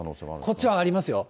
こちらはありますよ。